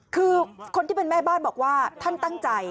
คือคนที่เป็นแม่บ้านบอกว่าท่านตั้งใจ